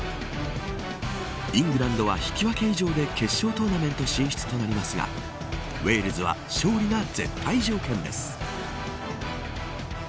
イングランドは引き分け以上で決勝トーナメント進出となりますがウェールズは勝利が絶対条件です。